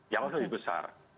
jauh lebih besar